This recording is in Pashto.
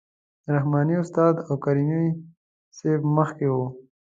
رحماني استاد او کریمي صیب مخکې وو.